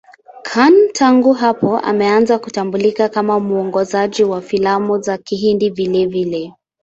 Khan tangu hapo ameanza kutambulika kama mwongozaji wa filamu za Kihindi vilevile.